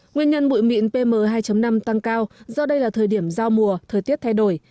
nguyên nhân bụi mịn pm hai năm tăng cao do đây là thời điểm giao mùa thời tiết thay đổi